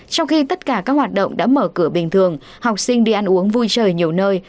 trong khi tất cả các hoạt động đã mở cửa bình thường học sinh đi ăn uống vui trời nhiều nơi